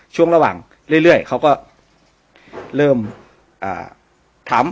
ช่วงระหว่างเรื่อยเขาก็เริ่มถาม